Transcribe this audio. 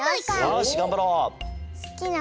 よしがんばろう！